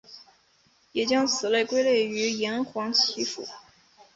也将此类归类于岩黄蓍属。